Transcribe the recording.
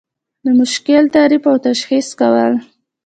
د مشکل تعریف او تشخیص کول.